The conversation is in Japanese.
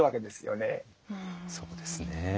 そうですね。